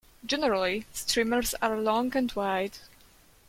Generally, streamers are long and wide.